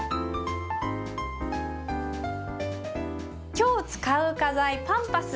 今日使う花材パンパス。